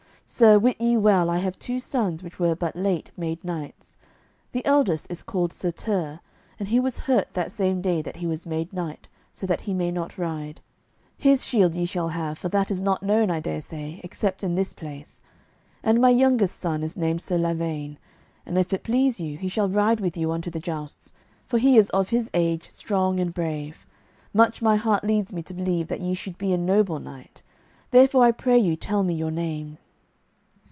Sir, wit ye well I have two sons which were but late made knights. The eldest is called Sir Tirre, and he was hurt that same day that he was made knight, so that he may not ride. His shield ye shall have, for that is not known, I dare say, except in this place. And my youngest son is named Sir Lavaine, and if it please you, he shall ride with you unto the jousts, for he is of his age strong and brave. Much my heart leads me to believe that ye should be a noble knight; therefore I pray you tell me your name."